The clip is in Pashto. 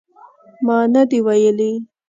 ما نه دي ویلي